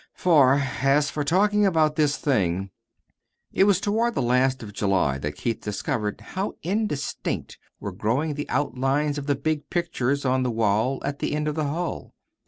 For, as for talking about this thing It was toward the last of July that Keith discovered how indistinct were growing the outlines of the big pictures on the wall at the end of the hall.